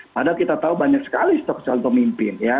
padahal kita tahu banyak sekali stok calon pemimpin ya